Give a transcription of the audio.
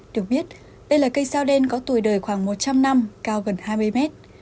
được biết đây là cây sao đen có tuổi đời khoảng một trăm linh năm cao gần hai mươi mét